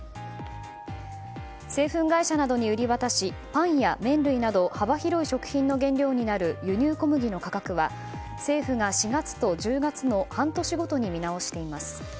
製粉会社などに売り渡しパンや麺類など幅広い食品の原料になる輸入小麦の価格は政府が４月と１０月の半年ごとに見直しています。